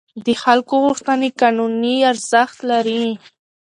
د خلکو غوښتنې قانوني ارزښت لري.